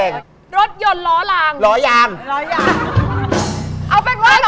เอาแปลงว่า